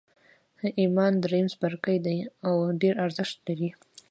ایمان درېیم څپرکی دی او ډېر ارزښت لري